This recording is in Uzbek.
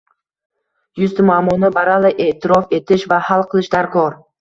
yuzta muammoni baralla e’tirof etish va hal qilish darkor.